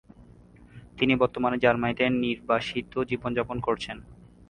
তিনি বর্তমানে জার্মানিতে নির্বাসিত জীবনযাপন করছেন।